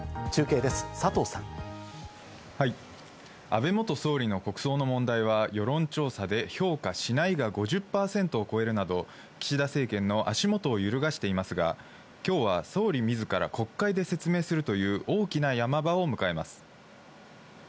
安倍元総理の国葬の問題は世論調査で評価しないが５０％を超えるなど、岸田政権の足元を揺るがしていますが、今日は総理自ら国会で説明するという大きな山場を迎えます。